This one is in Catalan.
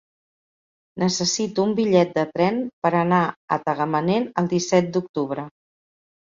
Necessito un bitllet de tren per anar a Tagamanent el disset d'octubre.